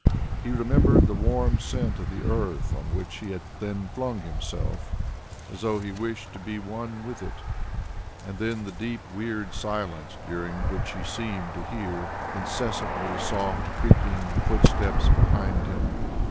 He remembered the warm scent of the earth on which he had then flung himself, as though he wished to be one with it, and then the deep weird silence during which he seemed to hear incessantly soft creeping footsteps behind him